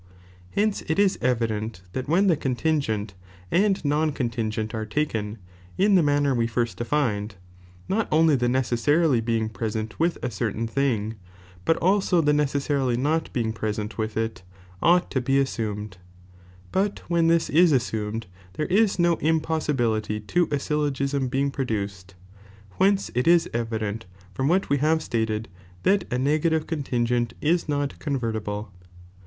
Hence it is evident, that when the eontingent and n on contingent are taken, in the manner we first defined, not only the necessarily being present with a certain thing, but also the necessarily not being present with it, ought to be assumed j but when this is assumed, there is DO impossibility to a syllogism being produced, whence it is evident, from what we have staled, that a negative con tingent is not convertible.